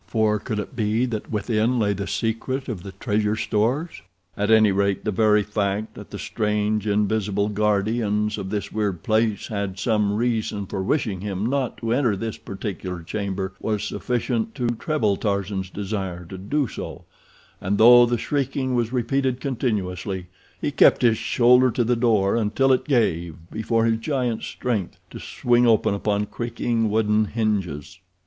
Or could it be that within lay the secret to the treasure stores? At any rate, the very fact that the strange, invisible guardians of this weird place had some reason for wishing him not to enter this particular chamber was sufficient to treble Tarzan's desire to do so, and though the shrieking was repeated continuously, he kept his shoulder to the door until it gave before his giant strength to swing open upon creaking wooden hinges.